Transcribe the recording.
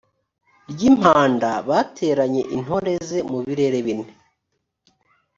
ry impanda bateranye intore ze mu birere bine